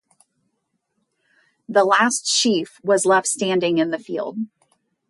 The last sheaf was left standing in the field.